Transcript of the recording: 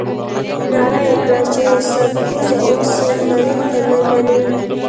نعره يې کړه چې سرکوزيه اوس يې منې که نه منې.